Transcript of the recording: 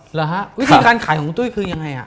หรือฮะวิธีขายคนตุ้ยก็คือยังไง